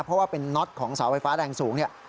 เพราะว่าเป็นน็อตของเสาไฟฟ้าแรงสูงเนี่ย